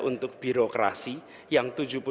untuk birokrasi yang